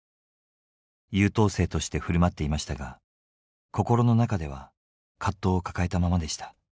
優等生としてふるまっていましたが心の中では葛藤を抱えたままでした。